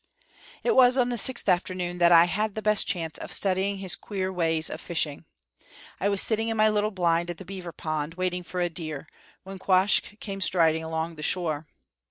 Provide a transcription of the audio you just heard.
It was on the sixth afternoon that I had the best chance of studying his queer ways of fishing. I was sitting in my little blind at the beaver pond, waiting for a deer, when Quoskh came striding along the shore.